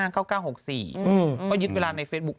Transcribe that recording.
เขายึดเวลาในเฟซบุ๊ค